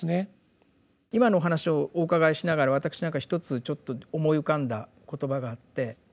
今のお話をお伺いしながら私一つちょっと思い浮かんだ言葉があって。